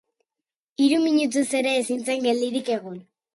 Hiru minutuz ere ezin zen geldirik egon.